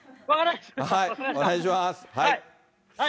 お願いします。